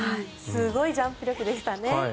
すごいジャンプ力でしたね。